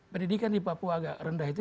pendidikan di papua agak rendah itu